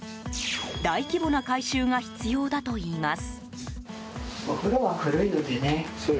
大規模な改修が必要だといいます。